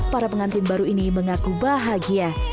para pengantin baru ini mengaku bahagia